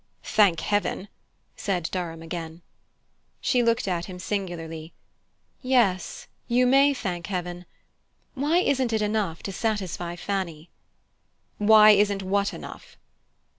"Thank heaven!" said Durham again. She looked at him singularly. "Yes you may thank heaven. Why isn't it enough to satisfy Fanny?" "Why isn't what enough?"